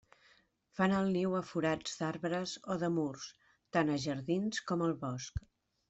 Fan el niu a forats d'arbres o de murs, tant a jardins com al bosc.